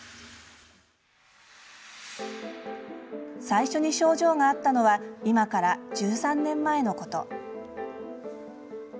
最初に症状があったのは今から１３年前のこと。